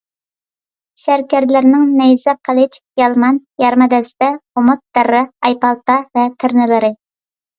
سەركەردىلەرنىڭ نەيزە، قىلىچ، يالمان، يارما دەستە، ئۇمۇت، دەررە، ئايپالتا ۋە تىرنىلىرى